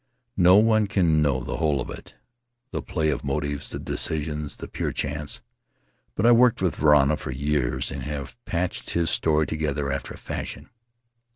No one can know the whole of it — the play of motives, the decisions, the pure chance — but I worked with Varana for years and have patched his story together after a fashion.